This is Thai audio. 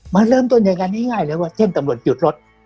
มันเริ่มต้นอย่างง่ายว่าเส้นตำรวจหยุดรถ